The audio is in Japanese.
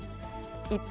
一方、